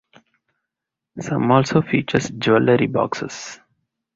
Some also feature jewelry boxes.